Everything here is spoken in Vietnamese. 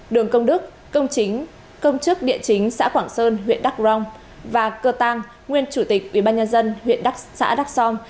đường công đức công chính công chức địa chính xã quảng sơn huyện đắk rong và cơ tăng nguyên chủ tịch ubnd huyện xã đắk song